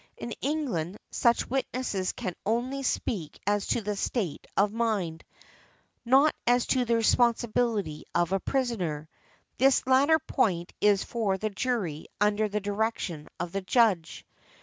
In England such witnesses can only speak as to the state of mind, not as to the responsibility of a prisoner; this latter point is for the jury under the direction of the Judge .